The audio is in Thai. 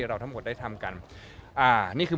เราทั้งหมดได้ทำกันอ่านี่คือ